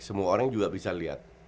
semua orang juga bisa lihat